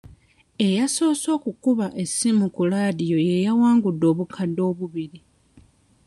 Eyasoose okukuba essimu ku laadiyo ye yawangudde obukadde obubiri..